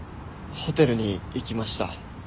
ホテルに行きました。